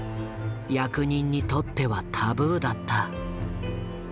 役人にとってはタブーだった。